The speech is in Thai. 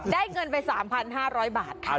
ได้เงินไป๓๕๐๐บาทค่ะ